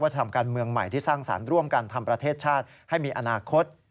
ทำการเมืองใหม่ที่สร้างสรรค์ร่วมกันทำประเทศชาติให้มีอนาคต